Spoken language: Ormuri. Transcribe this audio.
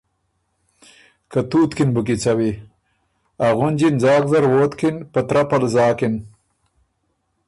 که تُوت کی ن بُو کیڅَوی ا غُںجی ن ځاک زر ووتکِن په ترپه ل زاکِن۔